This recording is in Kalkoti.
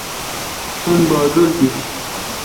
تان باگ رل بیش۔